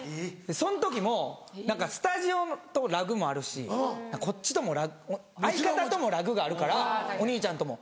そん時もスタジオとラグもあるしこっちとも相方ともラグがあるからお兄ちゃんとも。